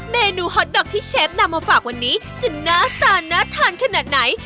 เมนูฮอตดอกที่เชฟนำมาฝากวันนี้จะหน้าตาน่าทานขนาดไหน